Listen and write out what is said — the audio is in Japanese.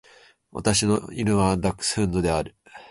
私の犬はダックスフンドである。